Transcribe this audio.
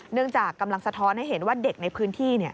จากกำลังสะท้อนให้เห็นว่าเด็กในพื้นที่